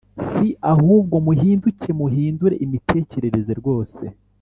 Si ahubwo muhinduke muhindure imitekerereze rwose